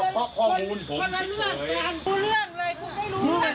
ก็ก็ไปเรียกรวงศพ